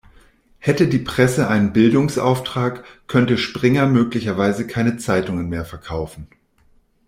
Hätte die Presse einen Bildungsauftrag, könnte Springer möglicherweise keine Zeitungen mehr verkaufen.